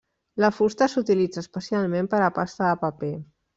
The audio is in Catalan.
La fusta s'utilitza especialment per a pasta de paper.